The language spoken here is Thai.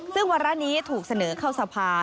ซึ่งวาระนี้ถูกเสนอเข้าสภา